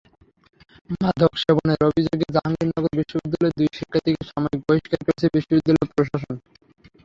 মাদক সেবনের অভিযোগে জাহাঙ্গীরনগর বিশ্ববিদ্যালয়ের দুই শিক্ষার্থীকে সাময়িক বহিষ্কার করেছে বিশ্ববিদ্যালয় প্রশাসন।